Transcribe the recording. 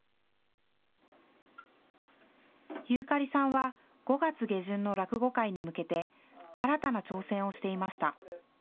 遊かりさんは５月下旬の落語会に向けて、新たな挑戦をしていました。